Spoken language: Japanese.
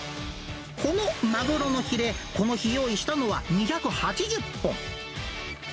このマグロのヒレ、この日用意したのは、２８０本。